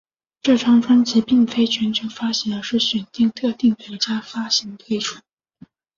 这张专辑并非全球发行而是选定特定国家发行推出。